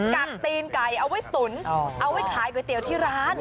ักตีนไก่เอาไว้ตุ๋นเอาไว้ขายก๋วยเตี๋ยวที่ร้าน